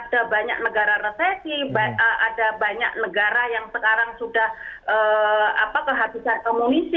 ada banyak negara resesi ada banyak negara yang sekarang sudah kehabisan amunisi